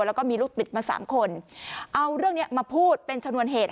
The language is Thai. แล้วก็มีลูกติดมาสามคนเอาเรื่องนี้มาพูดเป็นชนวนเหตุ